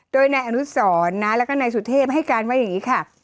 โดยนายอนุสรนะแล้วก็นายสุเทพให้การว่าอย่างนี้ค่ะ